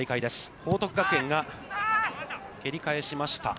報徳学園が蹴り返しました。